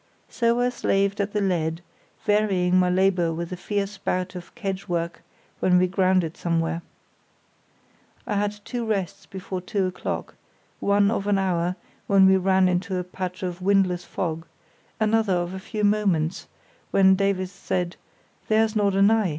So I slaved at the lead, varying my labour with a fierce bout of kedge work when we grounded somewhere. I had two rests before two o'clock, one of an hour, when we ran into a patch of windless fog; another of a few moments, when Davies said, "There's Norderney!"